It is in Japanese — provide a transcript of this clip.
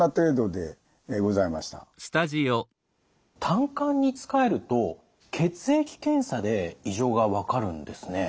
胆管につかえると血液検査で異常が分かるんですね。